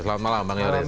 selamat malam bang yoris